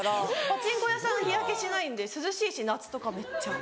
パチンコ屋さん日焼けしないんで涼しいし夏とかめっちゃ。